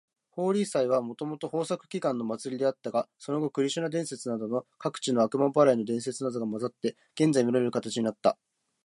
ホーリー祭はもともと豊作祈願の祭りであったが、その後クリシュナ伝説などの各地の悪魔払いの伝説などが混ざって、現在みられる形になった。